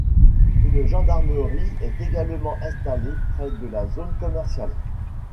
Une gendarmerie est également installée, près de la zone commerciale.